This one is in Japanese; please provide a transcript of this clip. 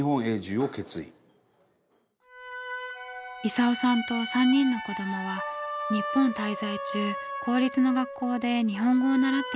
功さんと３人の子どもは日本滞在中公立の学校で日本語を習っていました。